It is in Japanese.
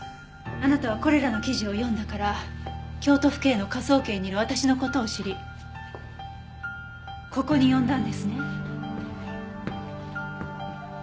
あなたはこれらの記事を読んだから京都府警の科捜研にいる私の事を知りここに呼んだんですね。